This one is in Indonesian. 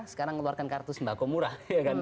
sekarang ngeluarkan kartu sembako murah